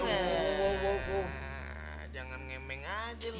eh jangan ngemeng aja lu